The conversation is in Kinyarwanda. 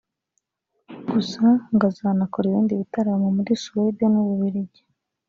gusa ngo azanakora ibindi bitaramo muri Suwede n’ u Bubiligi